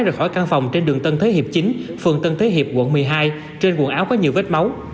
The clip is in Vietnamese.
ra khỏi căn phòng trên đường tân thế hiệp chính phường tân thế hiệp quận một mươi hai trên quần áo có nhiều vết máu